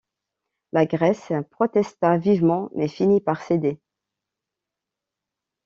La Grèce protesta vivement, mais finit par céder.